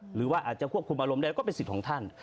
หรือว่าอาจจะควบคุมอารมณ์ได้ก็เป็นสิทธิ์ของท่าน